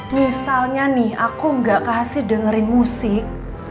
misalnya nih aku gak kasih dengerin musik